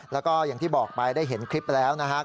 แล้วก็อย่างที่บอกไปได้เห็นคลิปแล้วนะครับ